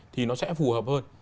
thì nó sẽ phù hợp hơn